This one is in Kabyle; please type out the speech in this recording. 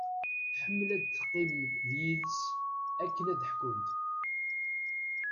Tḥemmel ad teqqim d yid-s akken ad ḥkunt.